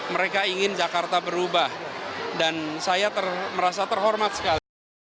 mereka ingin jakarta berubah dan saya merasa terhormat sekali